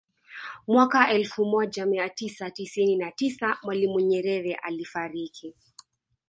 Mwaka elfu moja mia tisa tisini na tisa Mwalimu Nyerere alifariki